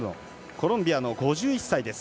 コロンビアの５１歳です。